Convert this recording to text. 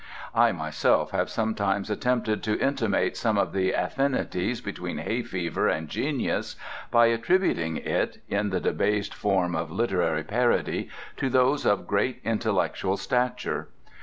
I myself have sometimes attempted to intimate some of the affinities between hay fever and genius by attributing it (in the debased form of literary parody) to those of great intellectual stature.